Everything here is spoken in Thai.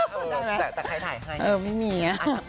เออได้ไหมแต่ใครถ่ายให้เออไม่มี